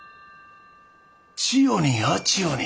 「千代に八千代に」か。